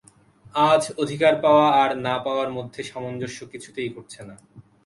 আজ অধিকার পাওয়া আর না-পাওয়ার মধ্যে সামঞ্জস্য কিছুতেই ঘটছে না।